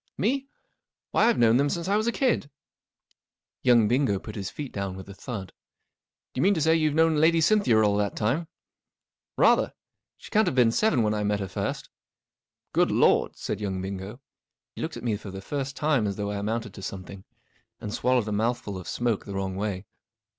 44 Me ? Why. J've know r n them since I was a kid " Young Bingo put his feet down with a thud. 44 Do you mean to say you've known lady Cynthia all that time ?" 44 Rather! She can't have been seven when I met her first." 44 Good Lord !" said young Bingo. He looked at me for the first time as though I amounted to something, and swallowed a mouthful of smoke the wrong way.